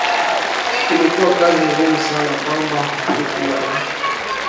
ilikuwa kazi ngumu sana kwamba hatukuwa na